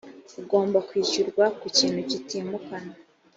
ugomba kwishyurwa ku kintu kitimukanwa